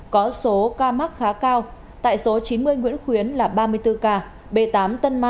có số ca mắc khá cao tại số chín mươi nguyễn khuyến là ba mươi bốn ca b tám tân mai một mươi sáu ca và một trăm ba mươi hai bùi thị xuân một mươi bốn ca